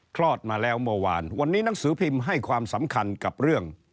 คลอดมาแล้วเมื่อวานวันนี้หนังสือพิมพ์ให้ความสำคัญกับเรื่อง